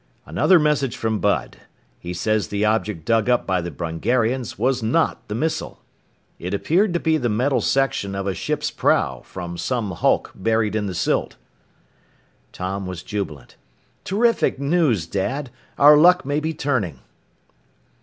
"Another message from Bud. He says the object dug up by the Brungarians was not the missile. It appeared to be the metal section of a ship's prow, from some hulk buried in the silt!" Tom was jubilant. "Terrific news, Dad! Our luck may be turning!"